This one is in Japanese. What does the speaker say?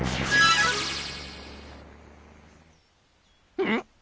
うん？